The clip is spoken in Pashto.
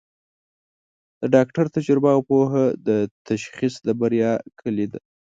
د ډاکټر تجربه او پوهه د تشخیص د بریا کلید ده.